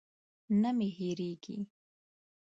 نه مې هېرېږي.